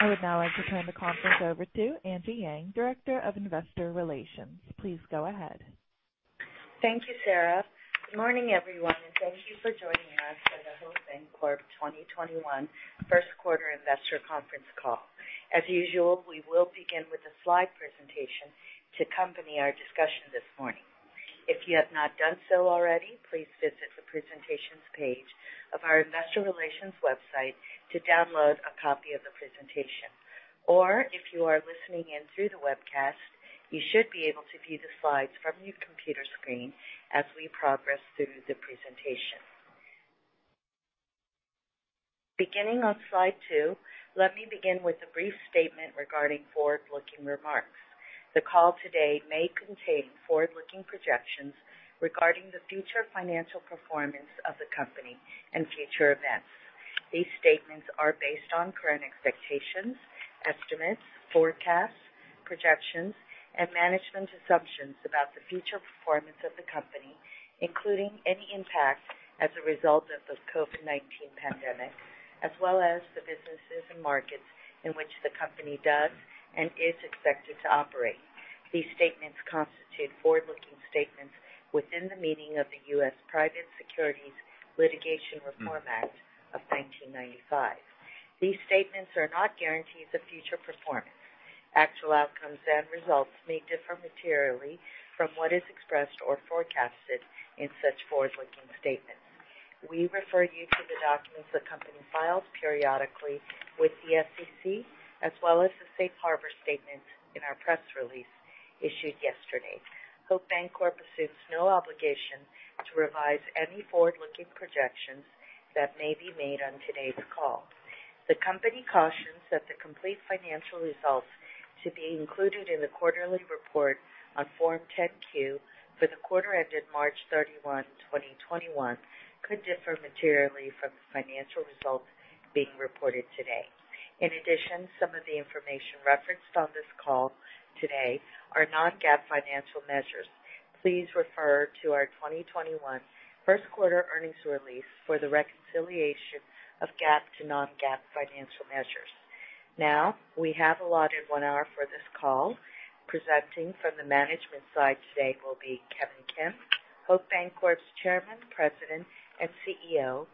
I would now like to turn the conference over to Angie Yang, Director of Investor Relations. Please go ahead. Thank you, Sarah. Good morning, everyone, and thank you for joining us for the Hope Bancorp 2021 first quarter investor conference call. As usual, we will begin with a slide presentation to accompany our discussion this morning. If you have not done so already, please visit the presentations page of our investor relations website to download a copy of the presentation. Or, if you are listening in through the webcast, you should be able to view the slides from your computer screen as we progress through the presentation. Beginning on slide two, let me begin with a brief statement regarding forward-looking remarks. The call today may contain forward-looking projections regarding the future financial performance of the company and future events. These statements are based on current expectations, estimates, forecasts, projections, and management assumptions about the future performance of the company, including any impact as a result of the COVID-19 pandemic, as well as the businesses and markets in which the company does and is expected to operate. These statements constitute forward-looking statements within the meaning of the U.S. Private Securities Litigation Reform Act of 1995. These statements are not guarantees of future performance. Actual outcomes and results may differ materially from what is expressed or forecasted in such forward-looking statements. We refer you to the documents the company files periodically with the SEC, as well as the safe harbor statement in our press release issued yesterday. Hope Bancorp assumes no obligation to revise any forward-looking projections that may be made on today's call. The company cautions that the complete financial results to be included in the quarterly report on Form 10-Q for the quarter ended March 31, 2021, could differ materially from the financial results being reported today. Some of the information referenced on this call today are non-GAAP financial measures. Please refer to our 2021 first quarter earnings release for the reconciliation of GAAP to non-GAAP financial measures. We have allotted one hour for this call. Presenting from the management side today will be Kevin Kim, Hope Bancorp's Chairman, President, and CEO,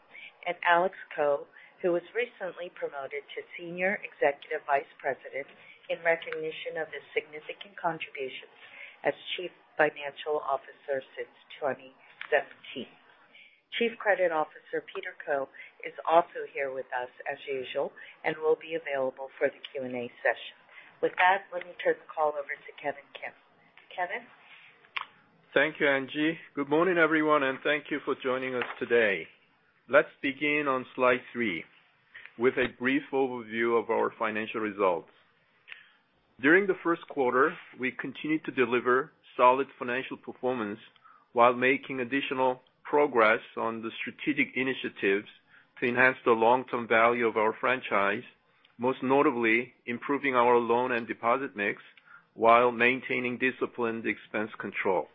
and Alex Ko, who was recently promoted to Senior Executive Vice President in recognition of his significant contributions as Chief Financial Officer since 2017. Chief Credit Officer Peter Koh is also here with us as usual and will be available for the Q&A session. With that, let me turn the call over to Kevin Kim. Kevin? Thank you, Angie. Good morning, everyone, and thank you for joining us today. Let's begin on slide three with a brief overview of our financial results. During the first quarter, we continued to deliver solid financial performance while making additional progress on the strategic initiatives to enhance the long-term value of our franchise, most notably improving our loan and deposit mix while maintaining disciplined expense control.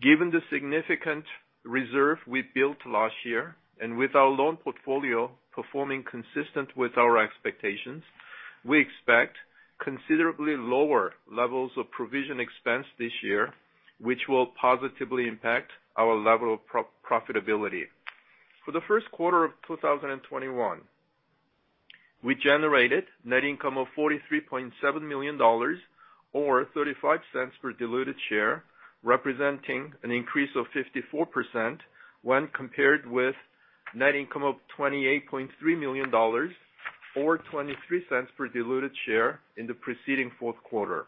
Given the significant reserve we built last year and with our loan portfolio performing consistent with our expectations, we expect considerably lower levels of provision expense this year, which will positively impact our level of profitability. For the first quarter of 2021, we generated net income of $43.7 million, or $0.35 per diluted share, representing an increase of 54% when compared with net income of $28.3 million, or $0.23 per diluted share in the preceding fourth quarter.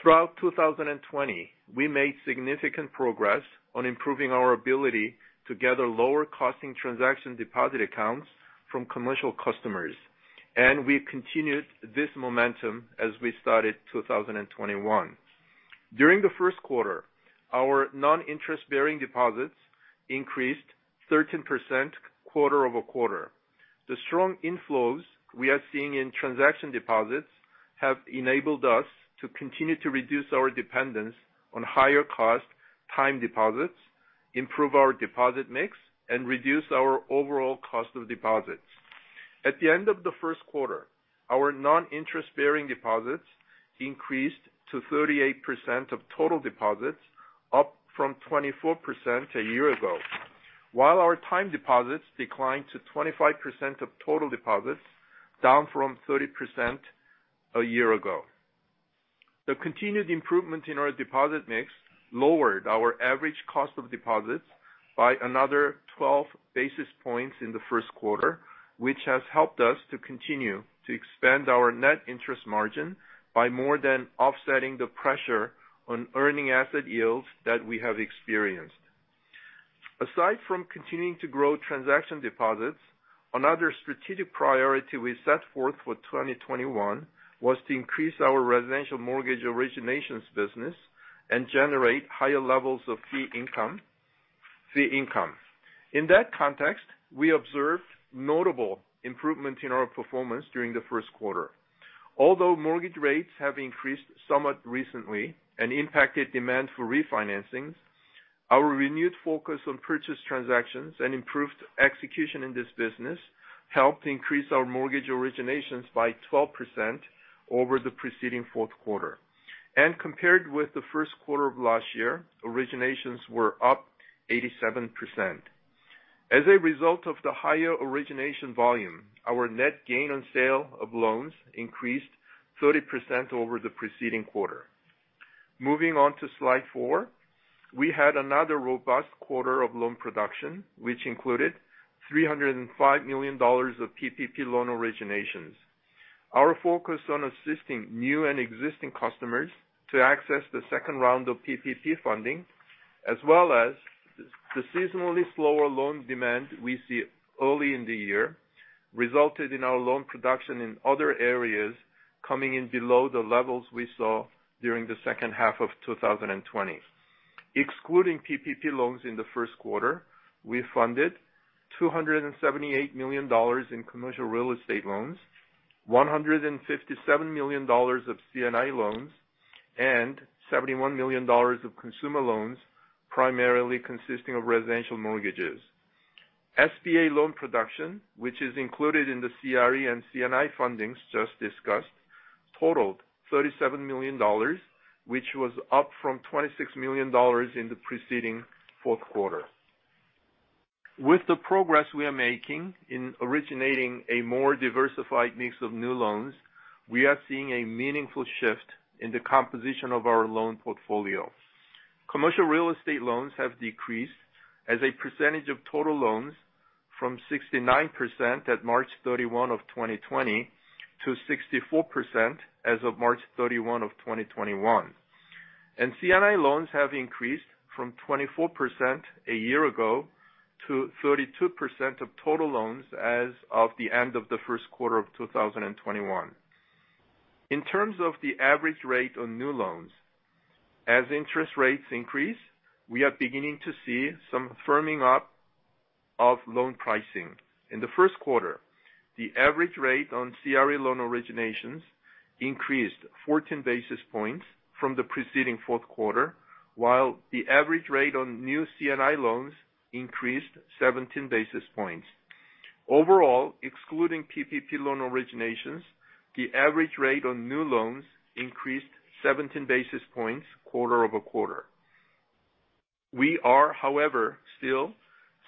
Throughout 2020, we made significant progress on improving our ability to gather lower costing transaction deposit accounts from commercial customers, and we've continued this momentum as we started 2021. During the first quarter, our non-interest-bearing deposits increased 13% quarter-over-quarter. The strong inflows we are seeing in transaction deposits have enabled us to continue to reduce our dependence on higher cost time deposits, improve our deposit mix, and reduce our overall cost of deposits. At the end of the first quarter, our non-interest-bearing deposits increased to 38% of total deposits, up from 24% a year ago. While our time deposits declined to 25% of total deposits, down from 30% a year ago. The continued improvement in our deposit mix lowered our average cost of deposits by another 12 basis points in the first quarter. This has helped us to continue to expand our net interest margin by more than offsetting the pressure on earning asset yields that we have experienced. Aside from continuing to grow transaction deposits, another strategic priority we set forth for 2021 was to increase our residential mortgage originations business and generate higher levels of fee income. In that context, we observed notable improvement in our performance during the first quarter. Although mortgage rates have increased somewhat recently and impacted demand for refinancing, our renewed focus on purchase transactions and improved execution in this business helped increase our mortgage originations by 12% over the preceding fourth quarter. Compared with the first quarter of last year, originations were up 87%. As a result of the higher origination volume, our net gain on sale of loans increased 30% over the preceding quarter. Moving on to slide four. We had another robust quarter of loan production, which included $305 million of PPP loan originations. Our focus on assisting new and existing customers to access the second round of PPP funding, as well as the seasonally slower loan demand we see early in the year, resulted in our loan production in other areas coming in below the levels we saw during the second half of 2020. Excluding PPP loans in the first quarter, we funded $278 million in commercial real estate loans, $157 million of C&I loans, and $71 million of consumer loans, primarily consisting of residential mortgages. SBA loan production, which is included in the CRE and C&I fundings just discussed, totaled $37 million, which was up from $26 million in the preceding fourth quarter. With the progress we are making in originating a more diversified mix of new loans, we are seeing a meaningful shift in the composition of our loan portfolio. Commercial real estate loans have decreased as a percentage of total loans from 69% at March 31 of 2020 to 64% as of March 31 of 2021. C&I loans have increased from 24% a year ago to 32% of total loans as of the end of the first quarter of 2021. In terms of the average rate on new loans, as interest rates increase, we are beginning to see some firming up of loan pricing. In the first quarter, the average rate on CRE loan originations increased 14 basis points from the preceding fourth quarter, while the average rate on new C&I loans increased 17 basis points. Overall, excluding PPP loan originations, the average rate on new loans increased 17 basis points quarter-over-quarter. We are, however, still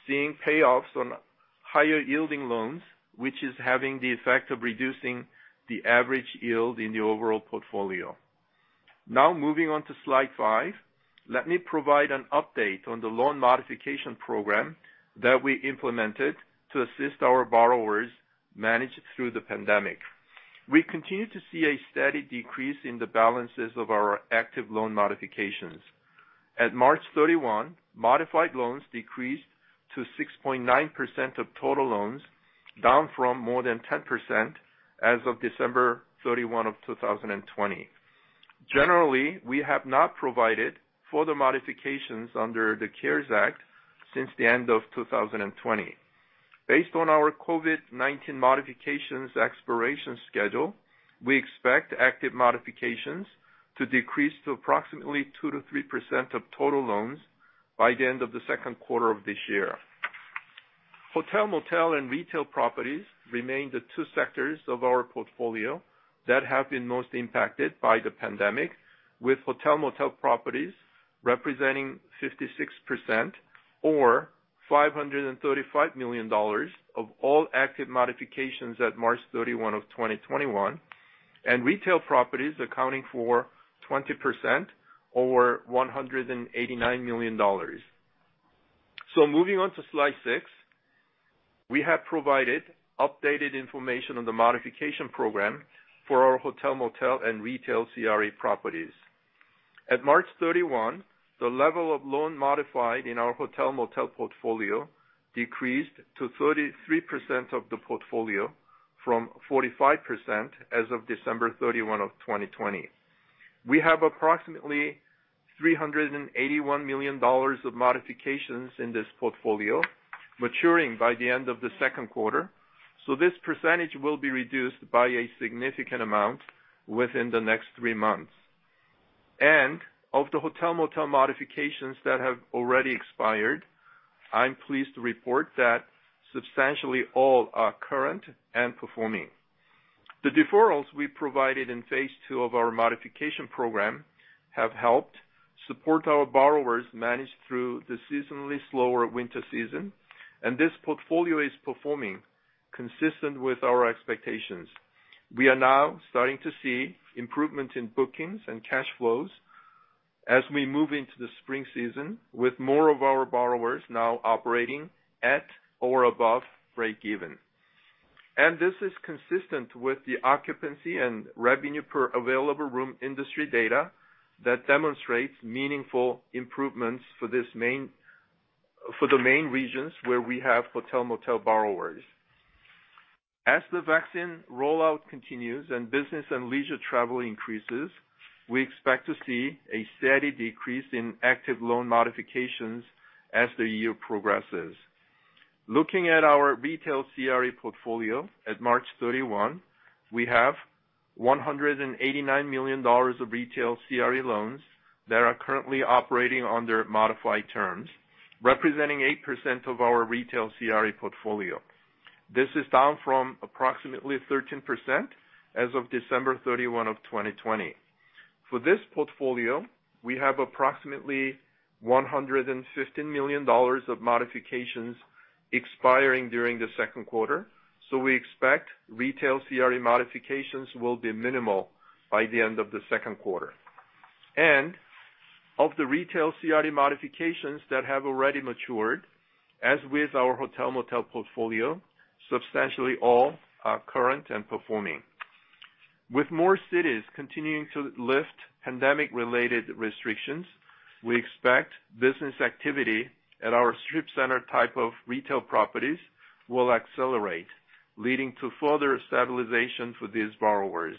seeing payoffs on higher yielding loans, which is having the effect of reducing the average yield in the overall portfolio. Moving on to slide five. Let me provide an update on the loan modification program that we implemented to assist our borrowers manage through the pandemic. We continue to see a steady decrease in the balances of our active loan modifications. At March 31, modified loans decreased to 6.9% of total loans, down from more than 10% as of December 31 of 2020. Generally, we have not provided further modifications under the CARES Act since the end of 2020. Based on our COVID-19 modifications expiration schedule, we expect active modifications to decrease to approximately 2%-3% of total loans by the end of the second quarter of this year. Hotel/motel and retail properties remain the two sectors of our portfolio that have been most impacted by the pandemic, with hotel/motel properties representing 56%, or $535 million of all active modifications at March 31 of 2021, and retail properties accounting for 20%, or $189 million. Moving on to slide six. We have provided updated information on the modification program for our hotel/motel and retail CRE properties. At March 31, the level of loan modified in our hotel/motel portfolio decreased to 33% of the portfolio from 45% as of December 31 of 2020. We have approximately $381 million of modifications in this portfolio maturing by the end of the second quarter. This percentage will be reduced by a significant amount within the next three months. Of the hotel/motel modifications that have already expired, I am pleased to report that substantially all are current and performing. The deferrals we provided in Phase 2 of our modification program have helped support our borrowers manage through the seasonally slower winter season. This portfolio is performing consistent with our expectations. We are now starting to see improvement in bookings and cash flows as we move into the spring season with more of our borrowers now operating at or above break even. This is consistent with the occupancy and revenue per available room industry data that demonstrates meaningful improvements for the main regions where we have hotel/motel borrowers. As the vaccine rollout continues and business and leisure travel increases, we expect to see a steady decrease in active loan modifications as the year progresses. Looking at our retail CRE portfolio at March 31, we have $189 million of retail CRE loans that are currently operating under modified terms, representing 8% of our retail CRE portfolio. This is down from approximately 13% as of December 31 of 2020. For this portfolio, we have approximately $115 million of modifications expiring during the second quarter, so we expect retail CRE modifications will be minimal by the end of the second quarter. Of the retail CRE modifications that have already matured, as with our hotel/motel portfolio, substantially all are current and performing. With more cities continuing to lift pandemic-related restrictions, we expect business activity at our strip center type of retail properties will accelerate, leading to further stabilization for these borrowers.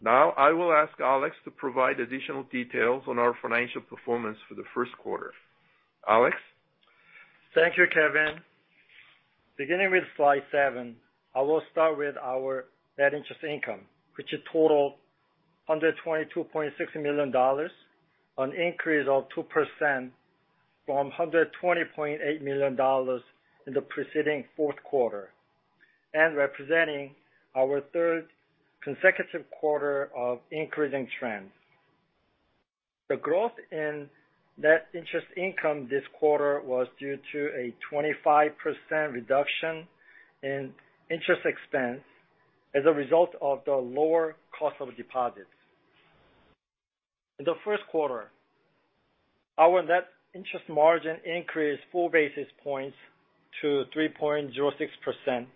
Now, I will ask Alex to provide additional details on our financial performance for the first quarter. Alex? Thank you, Kevin. Beginning with slide seven, I will start with our net interest income, which totaled $122.6 million, an increase of 2% from $120.8 million in the preceding fourth quarter, representing our third consecutive quarter of increasing trends. The growth in net interest income this quarter was due to a 25% reduction in interest expense as a result of the lower cost of deposits. In the first quarter, our net interest margin increased 4 basis points to 3.06%,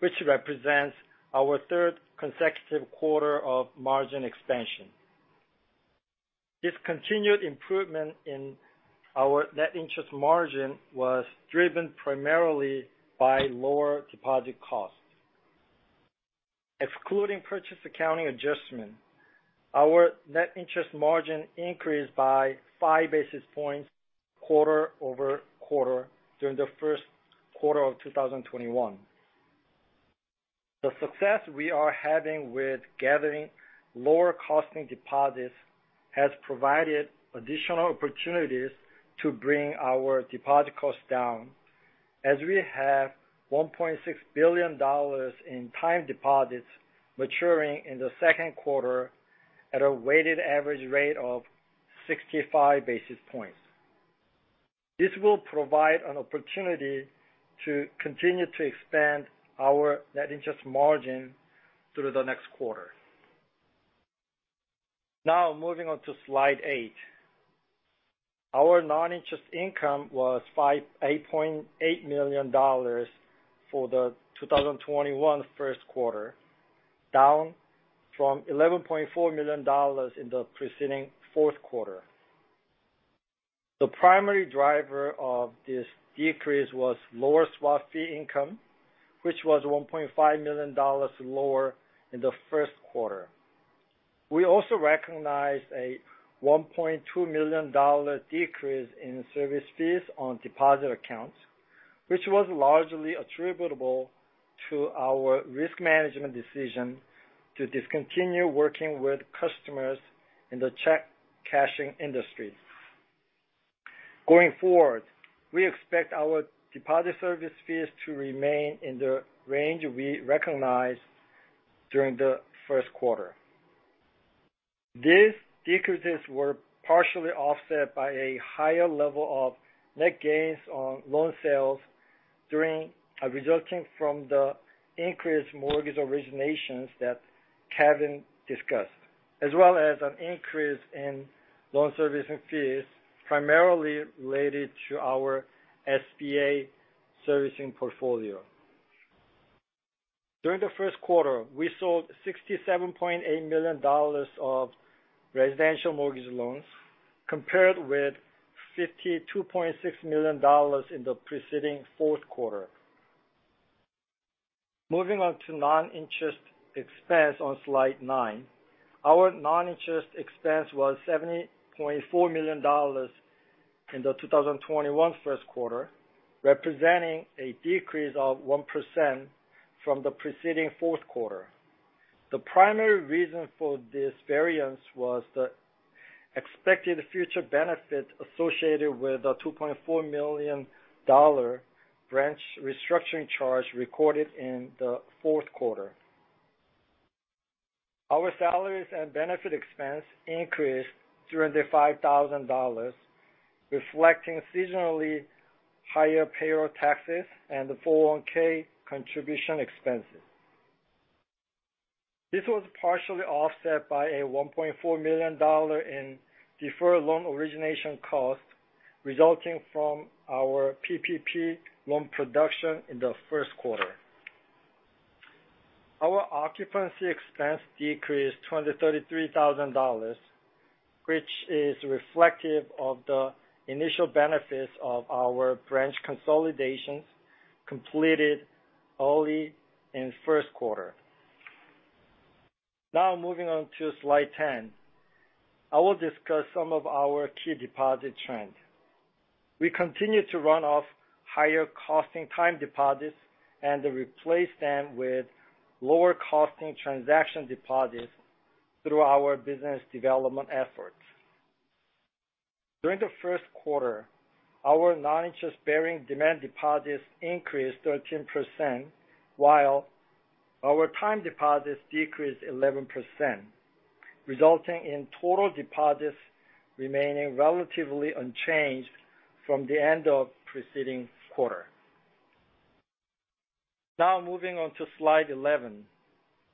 which represents our third consecutive quarter of margin expansion. This continued improvement in our net interest margin was driven primarily by lower deposit costs. Excluding purchase accounting adjustment, our net interest margin increased by 5 basis points quarter-over-quarter during the first quarter of 2021. The success we are having with gathering lower costing deposits has provided additional opportunities to bring our deposit costs down, as we have $1.6 billion in time deposits maturing in the second quarter at a weighted average rate of 65 basis points. This will provide an opportunity to continue to expand our net interest margin through the next quarter. Moving on to slide eight. Our non-interest income was $8.8 million for the 2021 first quarter, down from $11.4 million in the preceding fourth quarter. The primary driver of this decrease was lower swap fee income, which was $1.5 million lower in the first quarter. We also recognized a $1.2 million decrease in service fees on deposit accounts, which was largely attributable to our risk management decision to discontinue working with customers in the check cashing industry. Going forward, we expect our deposit service fees to remain in the range we recognized during the first quarter. These decreases were partially offset by a higher level of net gains on loan sales resulting from the increased mortgage originations that Kevin discussed, as well as an increase in loan servicing fees, primarily related to our SBA servicing portfolio. During the first quarter, we sold $67.8 million of residential mortgage loans, compared with $52.6 million in the preceding fourth quarter. Moving on to non-interest expense on slide nine. Our non-interest expense was $70.4 million in the 2021 first quarter, representing a decrease of 1% from the preceding fourth quarter. The primary reason for this variance was the expected future benefit associated with a $2.4 million branch restructuring charge recorded in the fourth quarter. Our salaries and benefit expense increased $305,000, reflecting seasonally higher payroll taxes and the 401(k) contribution expenses. This was partially offset by a $1.4 million in deferred loan origination costs resulting from our PPP loan production in the first quarter. Our occupancy expense decreased to $233,000, which is reflective of the initial benefits of our branch consolidations completed early in the first quarter. Now moving on to slide 10, I will discuss some of our key deposit trends. We continue to run off higher costing time deposits and replace them with lower costing transaction deposits through our business development efforts. During the first quarter, our non-interest-bearing demand deposits increased 13%, while our time deposits decreased 11%, resulting in total deposits remaining relatively unchanged from the end of the preceding quarter. Now moving on to slide 11,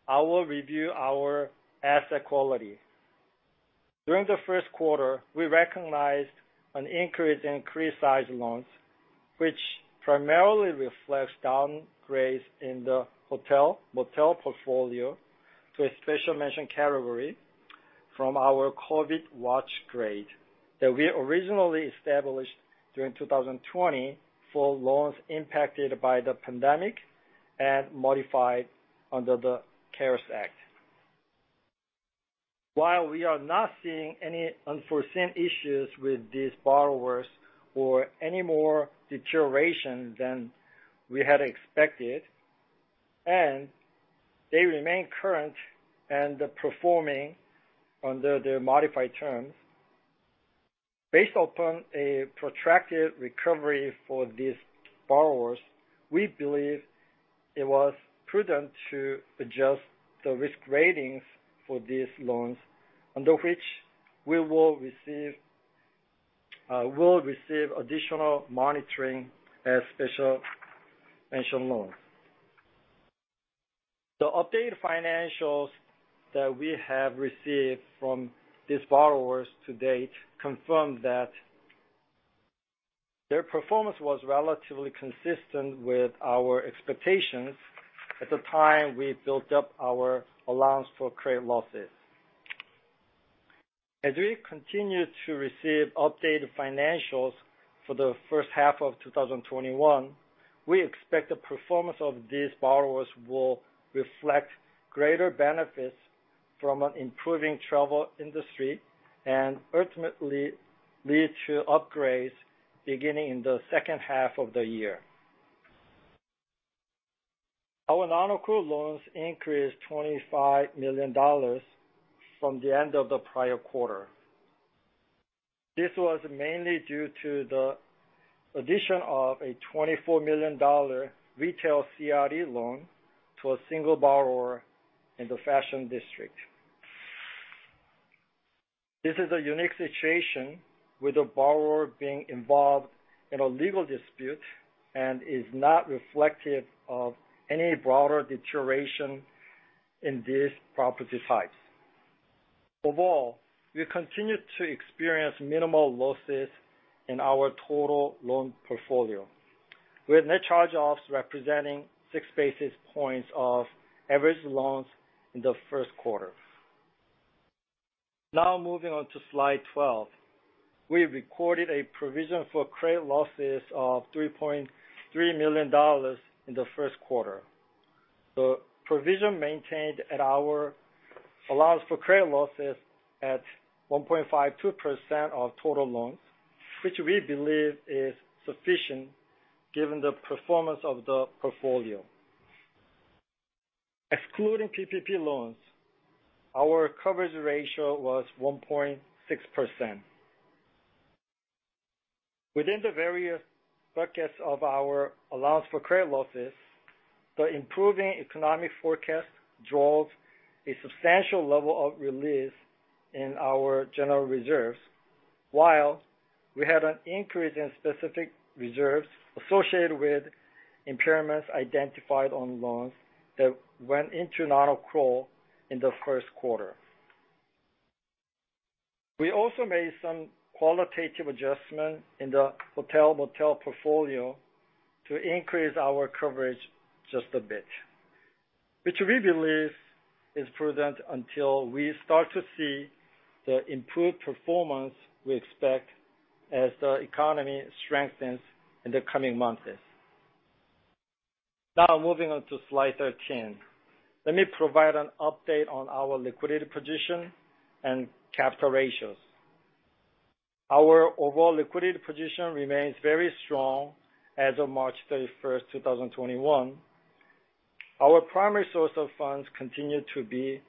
I will review our asset quality. During the first quarter, we recognized an increase in criticized loans, which primarily reflects downgrades in the hotel/motel portfolio to a special mention category from our COVID watch grade that we originally established during 2020 for loans impacted by the pandemic and modified under the CARES Act. We are not seeing any unforeseen issues with these borrowers or any more deterioration than we had expected, and they remain current and are performing under the modified terms, based upon a protracted recovery for these borrowers, we believe it was prudent to adjust the risk ratings for these loans, under which we will receive additional monitoring as special mention loans. The updated financials that we have received from these borrowers to date confirm that their performance was relatively consistent with our expectations at the time we built up our allowance for credit losses. As we continue to receive updated financials for the first half of 2021, we expect the performance of these borrowers will reflect greater benefits from an improving travel industry, and ultimately lead to upgrades beginning in the second half of the year. Our nonaccrual loans increased $25 million from the end of the prior quarter. This was mainly due to the addition of a $24 million retail CRE loan to a single borrower in the Fashion District. This is a unique situation, with the borrower being involved in a legal dispute, and is not reflective of any broader deterioration in these property types. Overall, we continue to experience minimal losses in our total loan portfolio, with net charge-offs representing 6 basis points of average loans in the first quarter. Now moving on to slide 12. We recorded a provision for credit losses of $3.3 million in the first quarter. The provision maintained our allowance for credit losses at 1.52% of total loans, which we believe is sufficient given the performance of the portfolio. Excluding PPP loans, our coverage ratio was 1.6%. Within the various buckets of our allowance for credit losses, the improving economic forecast drove a substantial level of release in our general reserves, while we had an increase in specific reserves associated with impairments identified on loans that went into nonaccrual in the first quarter. We also made some qualitative adjustments in the hotel/motel portfolio to increase our coverage just a bit, which we believe is prudent until we start to see the improved performance we expect as the economy strengthens in the coming months. Now moving on to slide 13. Let me provide an update on our liquidity position and capital ratios. Our overall liquidity position remains very strong as of March 31, 2021. Our primary source of funds continue to be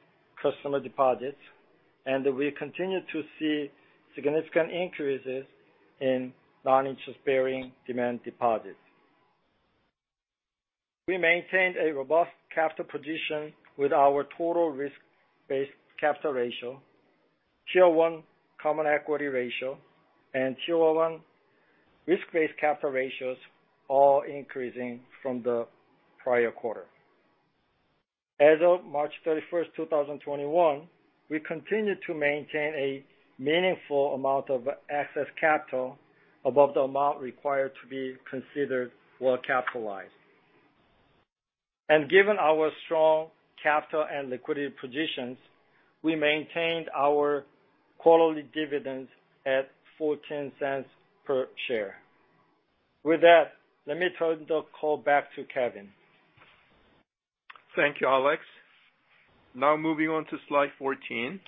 customer deposits, and we continue to see significant increases in non-interest-bearing demand deposits. We maintained a robust capital position with our total risk-based capital ratio, Q1 common equity ratio and Q1 risk-based capital ratios all increasing from the prior quarter. As of March 31st, 2021, we continue to maintain a meaningful amount of excess capital above the amount required to be considered well-capitalized. Given our strong capital and liquidity positions, we maintained our quarterly dividends at $0.14 per share. With that, let me turn the call back to Kevin. Thank you, Alex. Moving on to slide 14.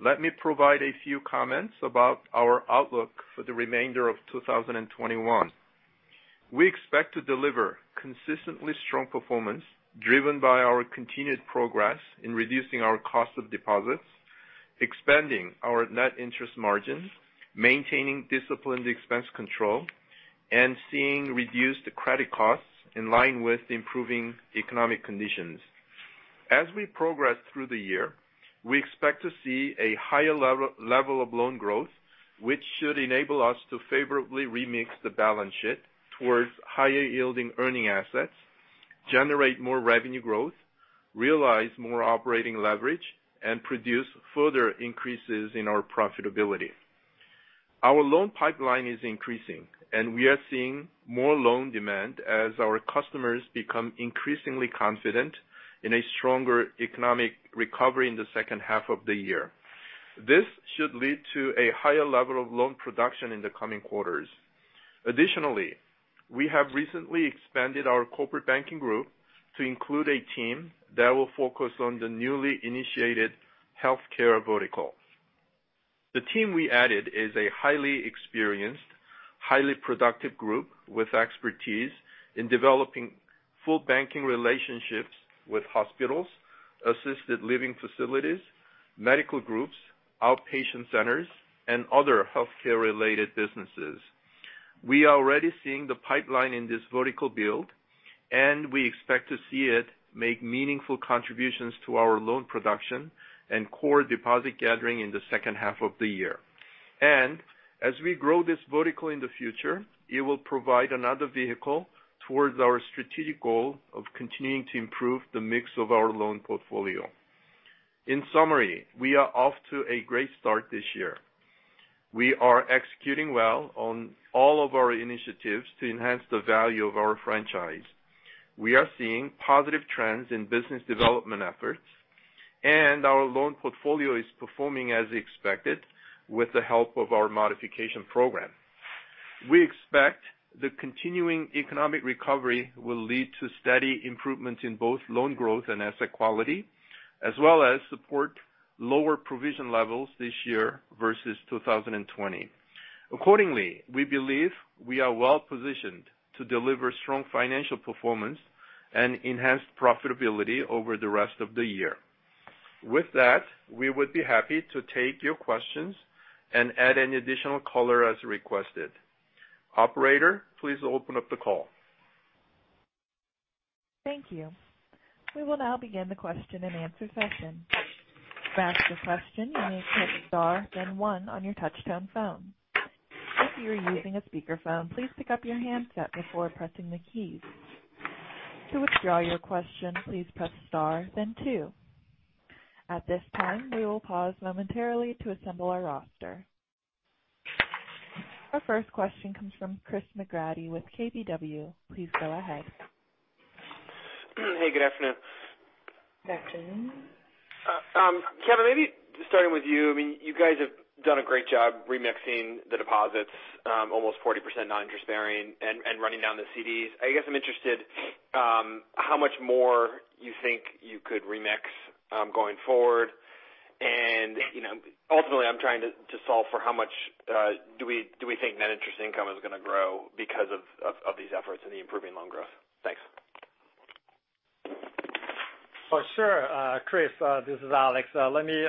Let me provide a few comments about our outlook for the remainder of 2021. We expect to deliver consistently strong performance, driven by our continued progress in reducing our cost of deposits, expanding our net interest margins, maintaining disciplined expense control, and seeing reduced credit costs in line with improving economic conditions. As we progress through the year, we expect to see a higher level of loan growth, which should enable us to favorably remix the balance sheet towards higher yielding earning assets, generate more revenue growth, realize more operating leverage, and produce further increases in our profitability. Our loan pipeline is increasing. We are seeing more loan demand as our customers become increasingly confident in a stronger economic recovery in the second half of the year. This should lead to a higher level of loan production in the coming quarters. Additionally, we have recently expanded our corporate banking group to include a team that will focus on the newly initiated healthcare vertical. The team we added is a highly experienced, highly productive group with expertise in developing full banking relationships with hospitals, assisted living facilities, medical groups, outpatient centers, and other healthcare related businesses. We are already seeing the pipeline in this vertical build, and we expect to see it make meaningful contributions to our loan production and core deposit gathering in the second half of the year. As we grow this vertical in the future, it will provide another vehicle towards our strategic goal of continuing to improve the mix of our loan portfolio. In summary, we are off to a great start this year. We are executing well on all of our initiatives to enhance the value of our franchise. We are seeing positive trends in business development efforts, and our loan portfolio is performing as expected with the help of our modification program. We expect the continuing economic recovery will lead to steady improvements in both loan growth and asset quality, as well as support lower provision levels this year versus 2020. Accordingly, we believe we are well-positioned to deliver strong financial performance and enhanced profitability over the rest of the year. With that, we would be happy to take your questions and add any additional color as requested. Operator, please open up the call. Thank you. We will now begin the question and answer session. To ask a question, you may press star then one on your touchtone phone. If you are using a speakerphone, please pick up your handset before pressing the keys. To withdraw your question, please press star then two. At this time, we will pause momentarily to assemble our roster. Our first question comes from Chris McGratty with KBW. Please go ahead. Hey, good afternoon. Good afternoon. Kevin, maybe just starting with you. You guys have done a great job remixing the deposits, almost 40% non-interest bearing and running down the CDs. I guess I'm interested how much more you think you could remix going forward. Ultimately, I'm trying to solve for how much do we think net interest income is going to grow because of these efforts and the improving loan growth. Thanks. For sure, Chris. This is Alex. Let me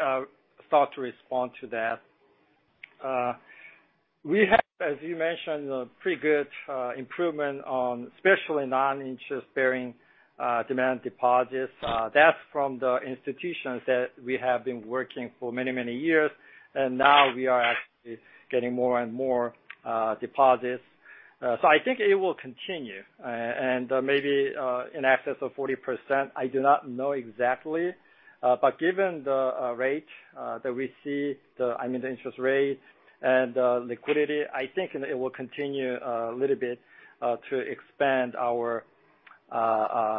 start to respond to that. We have, as you mentioned, a pretty good improvement on especially non-interest bearing demand deposits. That's from the institutions that we have been working for many, many years. Now we are actually getting more and more deposits. I think it will continue, and maybe in excess of 40%, I do not know exactly. Given the rate that we see, the interest rate and liquidity, I think it will continue a little bit to expand our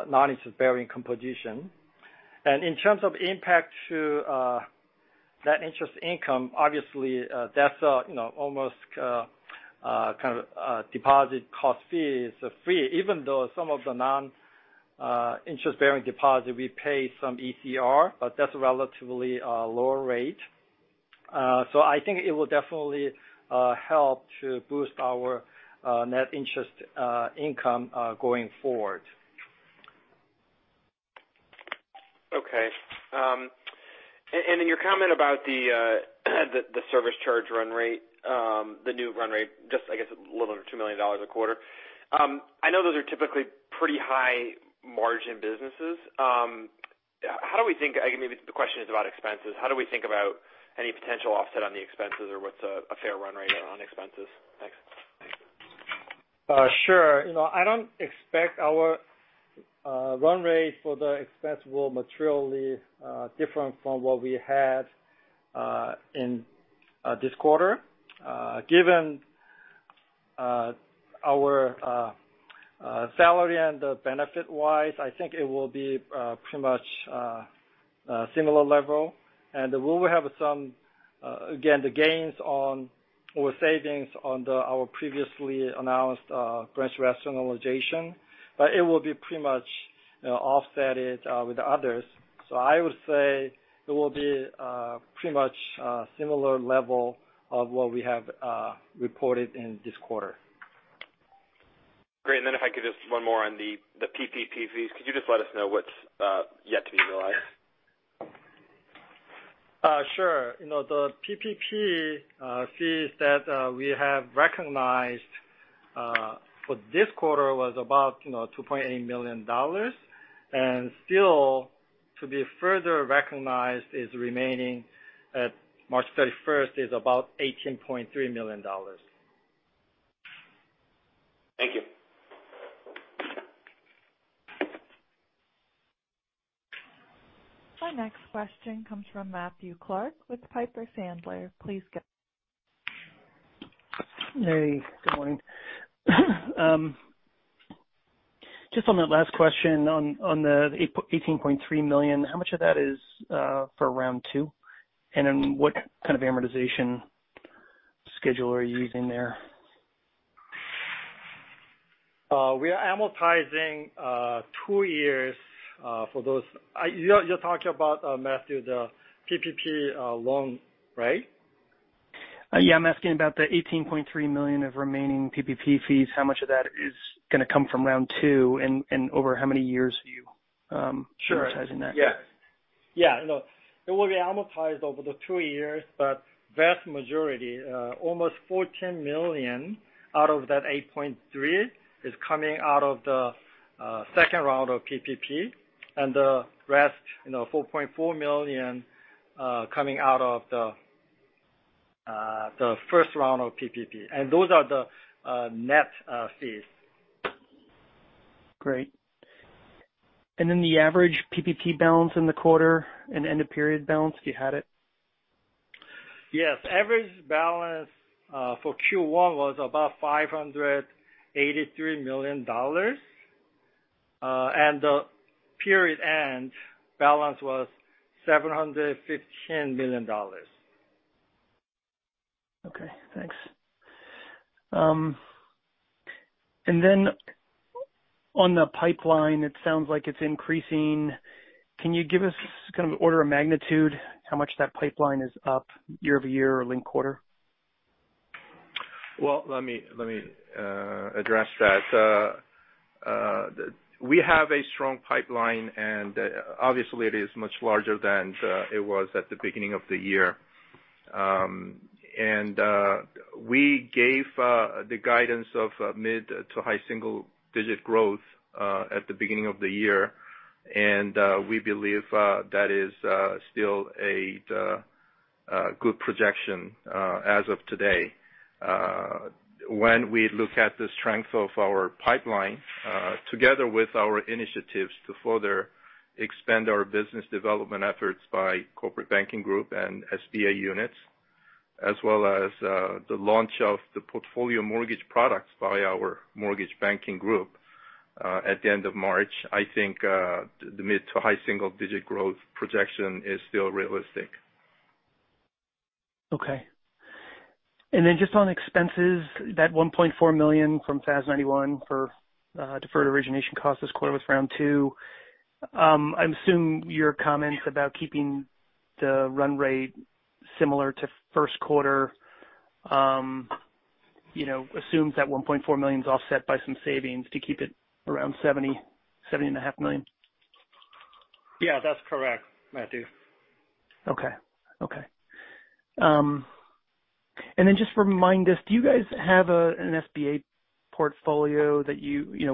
non-interest bearing composition. In terms of impact to net interest income, obviously that's almost kind of deposit cost fee is a fee, even though some of the non-interest bearing deposit, we pay some ECR, but that's relatively a lower rate. I think it will definitely help to boost our net interest income going forward. Okay. In your comment about the service charge run rate, the new run rate, just I guess a little under $2 million a quarter. I know those are typically pretty high margin businesses. Maybe the question is about expenses. How do we think about any potential offset on the expenses, or what's a fair run rate on expenses? Thanks. Sure. I don't expect our run rate for the expense will materially different from what we had in this quarter. Given our salary and benefit-wise, I think it will be pretty much a similar level. We will have some, again, the gains on our savings on our previously announced branch rationalization. It will be pretty much offset it with others. I would say it will be pretty much a similar level of what we have reported in this quarter. Great. If I could just one more on the PPP fees. Could you just let us know what's yet to be realized? Sure. The PPP fees that we have recognized for this quarter was about $2.8 million. Still to be further recognized remaining at March 31st is about $18.3 million. Thank you. Our next question comes from Matthew Clark with Piper Sandler. Please go ahead. Hey, good morning. Just on that last question on the $18.3 million, how much of that is for round 2? What kind of amortization schedule are you using there? We are amortizing two years for those. You're talking about, Matthew, the PPP loan, right? Yeah, I'm asking about the $18.3 million of remaining PPP fees. How much of that is going to come from round 2? Sure amortizing that? Yeah. It will be amortized over the two years, vast majority, almost $14 million out of that $18.3 million is coming out of the second round of PPP, the rest, $4.4 million, coming out of the first round of PPP. Those are the net fees. Great. Then the average PPP balance in the quarter and end of period balance, do you have it? Yes. Average balance for Q1 was about $583 million. The period end balance was $715 million. Okay, thanks. On the pipeline, it sounds like it's increasing. Can you give us kind of order of magnitude how much that pipeline is up year-over-year or linked-quarter? Well, let me address that. We have a strong pipeline, obviously it is much larger than it was at the beginning of the year. We gave the guidance of mid to high single digit growth at the beginning of the year. We believe that is still a good projection as of today. When we look at the strength of our pipeline, together with our initiatives to further expand our business development efforts by corporate banking group and SBA units, as well as the launch of the portfolio mortgage products by our mortgage banking group at the end of March, I think the mid to high single digit growth projection is still realistic. Okay. Just on expenses, that $1.4 million from FAS 91 for deferred origination costs this quarter was round two. I assume your comments about keeping the run rate similar to first quarter assumes that $1.4 million is offset by some savings to keep it around $70 million, $70.5 million. Yeah, that's correct, Matthew. Okay. Just remind us, do you guys have an SBA portfolio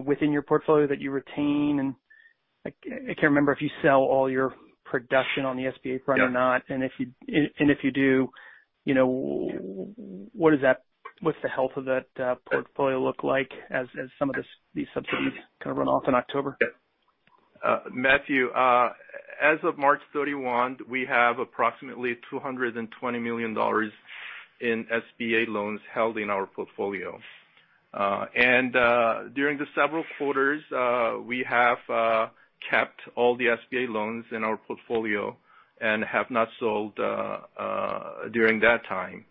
within your portfolio that you retain? I can't remember if you sell all your production on the SBA front or not. If you do, what's the health of that portfolio look like as some of these subsidies kind of run off in October? Matthew, as of March 31, we have approximately $220 million in SBA loans held in our portfolio. During the several quarters, we have kept all the SBA loans in our portfolio and have not sold during that time.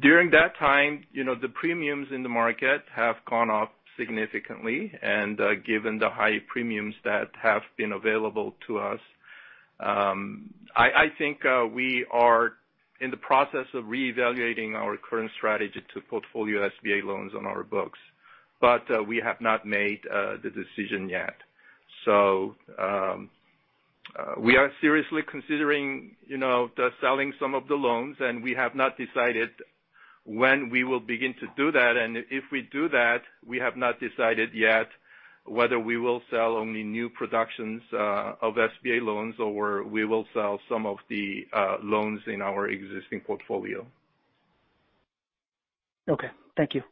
During that time, the premiums in the market have gone up significantly, and given the high premiums that have been available to us, I think we are in the process of reevaluating our current strategy to portfolio SBA loans on our books. We have not made the decision yet. We are seriously considering selling some of the loans, we have not decided when we will begin to do that. If we do that, we have not decided yet whether we will sell only new productions of SBA loans, or we will sell some of the loans in our existing portfolio. Okay. Thank you.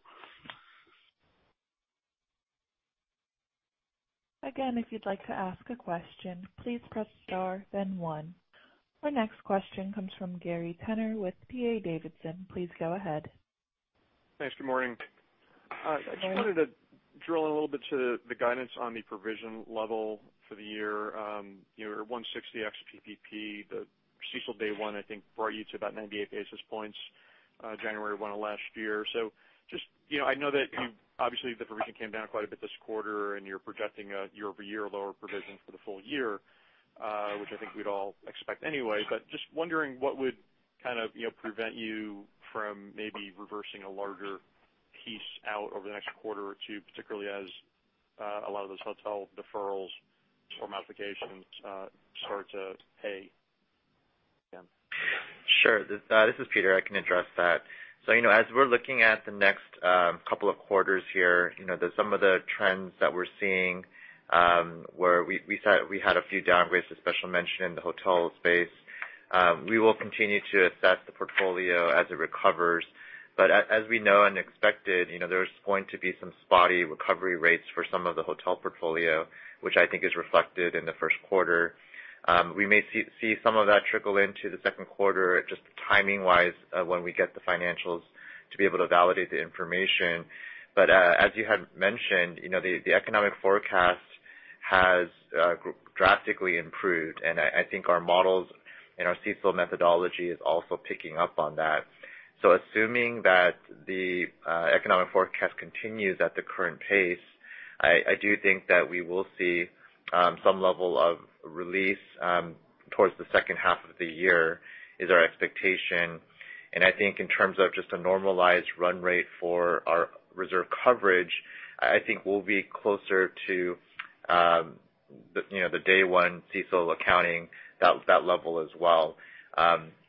If you'd like to ask a question, please press star then one. Our next question comes from Gary Tenner with D.A. Davidson. Please go ahead. Thanks. Good morning. I just wanted to drill a little bit to the guidance on the provision level for the year. Your 1.60 ex-PPP, the CECL day one, I think, brought you to about 98 basis points January 1 of last year. I know that, obviously, the provision came down quite a bit this quarter, and you're projecting a year-over-year lower provision for the full year which I think we'd all expect anyway. Just wondering what would prevent you from maybe reversing a larger piece out over the next quarter or two, particularly as a lot of those hotel deferrals or modifications start to pay again. Sure. This is Peter. I can address that. As we're looking at the next couple of quarters here, some of the trends that we're seeing, where we had a few downgrades of special mention in the hotel space. We will continue to assess the portfolio as it recovers. As we know and expected, there's going to be some spotty recovery rates for some of the hotel portfolio, which I think is reflected in the first quarter. We may see some of that trickle into the second quarter, just timing-wise, when we get the financials to be able to validate the information. As you had mentioned, the economic forecast has drastically improved, and I think our models and our CECL methodology is also picking up on that. Assuming that the economic forecast continues at the current pace, I do think that we will see some level of release towards the second half of the year, is our expectation. I think in terms of just a normalized run rate for our reserve coverage, I think we'll be closer to the day one CECL accounting, that level as well.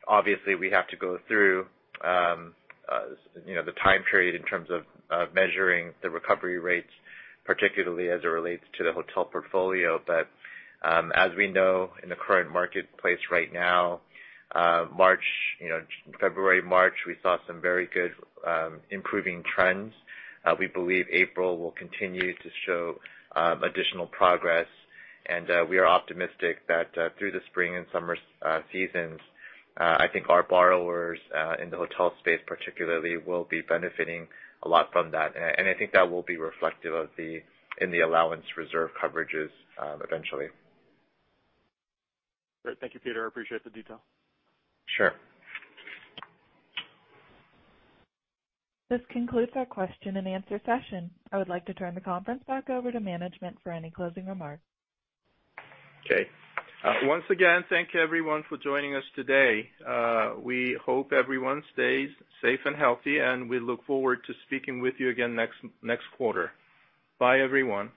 Obviously, we have to go through the time period in terms of measuring the recovery rates, particularly as it relates to the hotel portfolio. As we know, in the current marketplace right now February, March, we saw some very good improving trends. We believe April will continue to show additional progress and we are optimistic that through the spring and summer seasons I think our borrowers in the hotel space particularly will be benefiting a lot from that. I think that will be reflective in the allowance reserve coverages eventually. Great. Thank you, Peter. I appreciate the detail. Sure. This concludes our question and answer session. I would like to turn the conference back over to management for any closing remarks. Okay. Once again, thank you everyone for joining us today. We hope everyone stays safe and healthy, and we look forward to speaking with you again next quarter. Bye, everyone.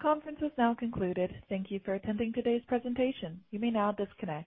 The conference is now concluded. Thank you for attending today's presentation. You may now disconnect.